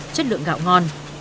chất lượng gạo ngon